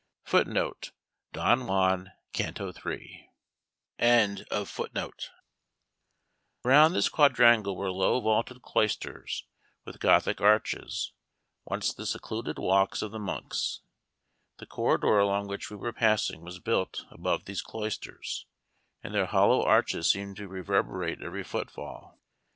[Footnote: DON JUAN, Canto III] Around this quadrangle were low vaulted cloisters, with Gothic arches, once the secluded walks of the monks: the corridor along which we were passing was built above these cloisters, and their hollow arches seemed to reverberate every footfall.